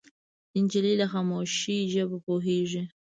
نجلۍ له خاموشۍ ژبه پوهېږي.